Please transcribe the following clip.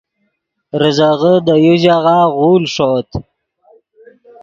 ریزغے دے یو ژاغہ غول ݰوت